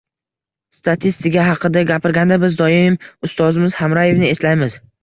Statistika haqida gapirganda, biz doimo ustozimiz Hamraevni eslaymiz